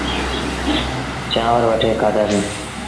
چآنور وٺي کآڌآسيٚݩ۔